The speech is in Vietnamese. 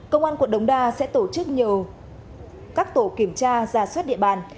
công an quận đồng đa sẽ tổ chức nhiều các tổ kiểm tra giả xuất địa bàn